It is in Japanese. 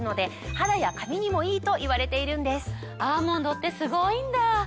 アーモンドってすごいんだぁ！